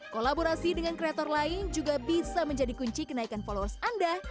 kolaborasi dengan kreator lain juga bisa menjadi kunci kenaikan followers anda